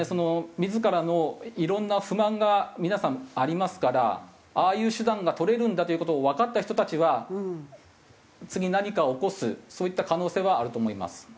自らのいろんな不満が皆さんありますからああいう手段が取れるんだという事をわかった人たちは次何かを起こすそういった可能性はあると思います。